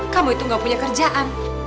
kamu itu gak punya kerjaan